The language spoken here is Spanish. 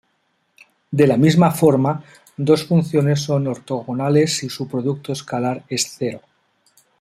De la misma forma, dos funciones son ortogonales si su producto escalar es cero.